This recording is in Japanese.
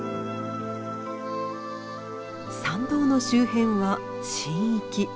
参道の周辺は「神域」。